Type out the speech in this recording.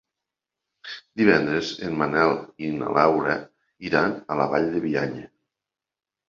Divendres en Manel i na Laura iran a la Vall de Bianya.